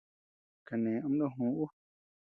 Kané ama ndógü ú.